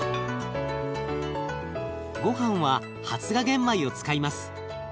ごはんは発芽玄米を使います。